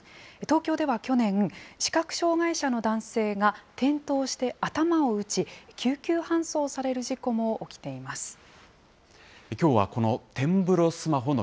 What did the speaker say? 東京では去年、視覚障害者の男性が転倒して頭を打ち、救急搬送される事故も起きています。